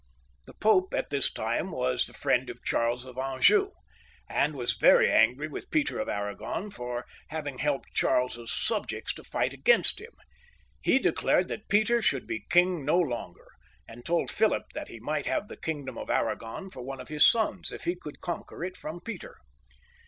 The Pope at this time was the friend of Charles of Anjou, and was very angry with Peter of Arragon for having helped Charles's subjects to fight against him. He declared that Peter should be king no longer, and told Philip that he might have the kingdom of Arragon for one of his sons if he could conquer it from Peter.